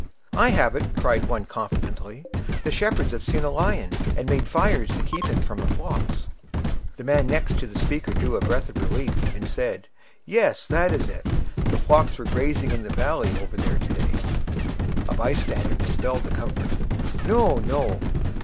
"I have it!" cried one, confidently. "The shepherds have seen a lion, and made fires to keep him from the flocks." The men next the speaker drew a breath of relief, and said, "Yes, that is it! The flocks were grazing in the valley over there to day." A bystander dispelled the comfort. "No, no!